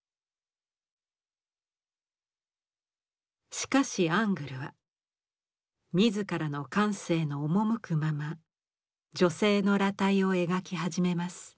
しかしアングルは自らの感性の赴くまま女性の裸体を描き始めます。